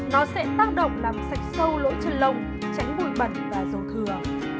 nó sẽ tác động làm sạch sâu lỗi chân lông tránh bụi bẩn và dầu thừa